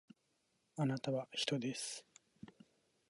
あなたは人です